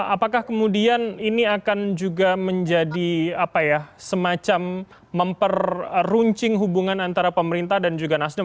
apakah kemudian ini akan juga menjadi semacam memperruncing hubungan antara pemerintah dan juga nasdem